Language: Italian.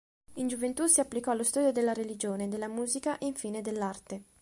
In gioventù si applicò allo studio della religione, della musica e infine dell'arte.